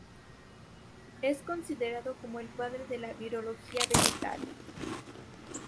Es considerado como el padre de la virología vegetal.